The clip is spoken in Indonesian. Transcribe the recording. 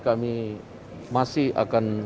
kami masih akan